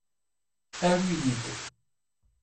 Aru-yi-d!